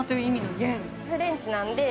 フレンチなんで。